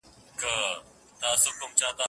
د کرونا ویري نړۍ اخیستې